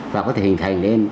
và có thể hình thành nên